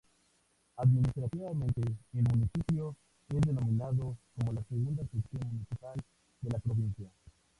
Administrativamente, el municipio es denominando como la "segunda sección municipal" de la provincia.